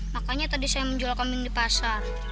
makanya tadi saya menjual kambing di pasar